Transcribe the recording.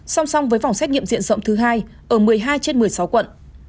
song song với phòng xét nghiệm diện rộng thứ hai ở một mươi hai trên một mươi sáu quận